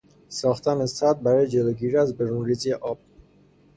ساختن سد برای جلوگیری از برونریزی آب